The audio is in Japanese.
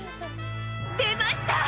出ました！